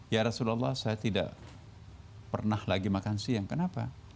ya rasulullah saya tidak pernah lagi makan siang kenapa